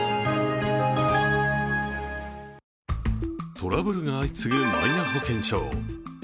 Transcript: トラブルが相次ぐマイナ保険証。